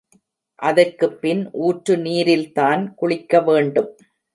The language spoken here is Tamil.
அதற்குப் பின் ஊற்று நீரில்தான் குளிக்க வேண்டும்.